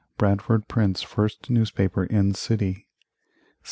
Bradford prints first newspaper in city 1728.